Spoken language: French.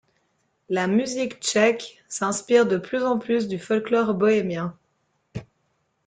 La musique tchèque s'inspire de plus en plus du folklore bohémien.